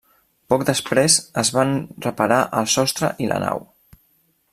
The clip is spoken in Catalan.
Poc després es van reparar el sostre i la nau.